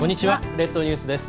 列島ニュースです。